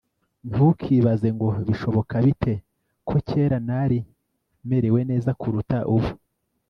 ntukibaze ngo bishoboka bite ko kera nari merewe neza kuruta ubu